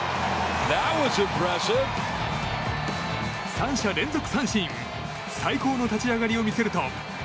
３者連続三振最高の立ち上がりを見せると。